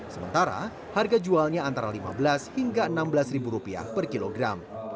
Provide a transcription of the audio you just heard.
sementara harga jualnya antara lima belas hingga enam belas ribu rupiah per kilogram